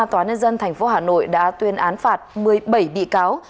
tòa án nhân dân tp hà nội đã tuyên án phạt một mươi bảy bị cáo